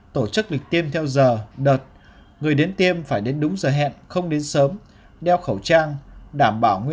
tổ chức lịch tiêm theo giờ đợt người đến tiêm phải đến đúng giờ hẹn không đến sớm đeo khẩu trang